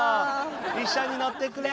一緒に乗ってくれ。